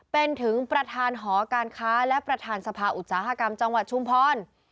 เป็นถึงประธานหอการค้าและประธานสภาอุตสาหกรรมจังหวัดชุมพร